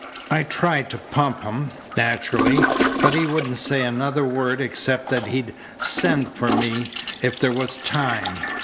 "I tried to pump him, naturally, but he wouldn't say another word except that he'd send for me if there was time.